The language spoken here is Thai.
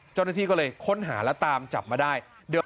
เจ้าหน้าที่ก็เลยค้นหาและตามจับมาได้